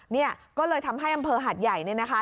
เนี่ยก็เลยทำให้อำเภอหาดใหญ่เนี่ยนะคะ